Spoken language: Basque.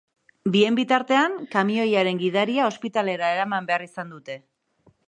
Bien bitartean, kamioiaren gidaria ospitalera eraman behar izan dute.